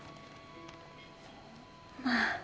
まあ。